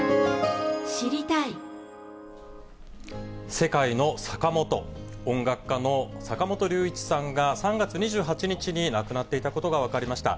世界のサカモト、音楽家の坂本龍一さんが３月２８日に亡くなっていたことが分かりました。